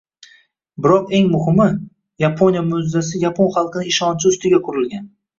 Biroq eng muhimi – Yaponiya «mo‘’jizasi» yapon xalqining ishonchi ustiga qurilgan.